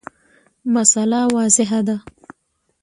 مسأله واضحه ده.